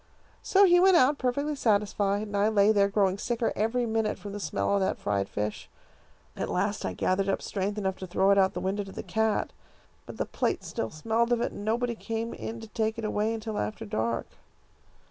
So he went out perfectly satisfied, and I lay there, growing sicker every minute from the smell of that fried fish. At last I gathered up strength enough to throw it out of the window to the cat, but the plate still smelled of it, and nobody came in to take it away until after dark.